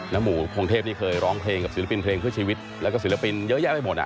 หมู่พงเทพนี่เคยร้องเพลงกับศิลปินเพลงเพื่อชีวิตแล้วก็ศิลปินเยอะแยะไปหมดอ่ะ